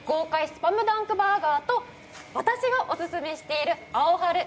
スパムダンクバーガー！と私がおすすめしているアオハル